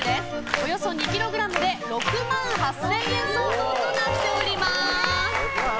およそ２ｋｇで６万８０００円相当になります。